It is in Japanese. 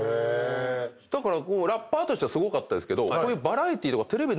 だからラッパーとしてはすごかったですけど。